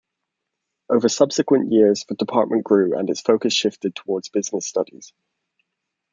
Over subsequent years the department grew and its focus shifted towards business studies.